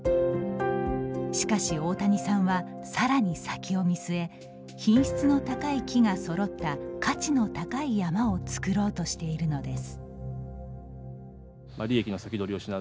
しかし、大谷さんはさらに先を見据え品質の高い木がそろった価値の高い山をつくろうとしているのです。